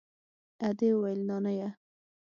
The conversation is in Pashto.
ادې وويل نانيه.